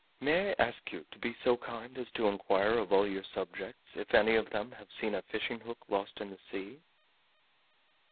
May I ask you to be so kind as to inquire of all your subjects if any of them have seen a fishing hook lost in the sea?"